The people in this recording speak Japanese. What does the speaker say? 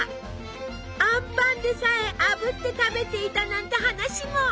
あんぱんでさえあぶって食べていたなんて話も！